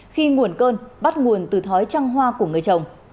khi nguồn cơn bắt nguồn từ thói trăng hoa của người chồng